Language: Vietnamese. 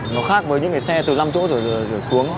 nó khác với những cái xe từ năm chỗ rồi xuống